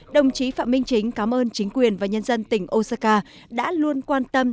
đồng chí phạm minh chính cảm ơn chính quyền và nhân dân tỉnh osaka đã luôn quan tâm